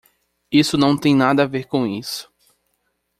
Isso não tem nada a ver com isso!